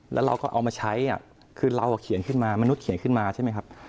แล้วเราก็เอามาใช้คือเราเขียนขึ้นมามนุษย์เขียนขึ้นมาใช่ไหมครับ